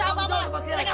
lakukan saya ini yaitu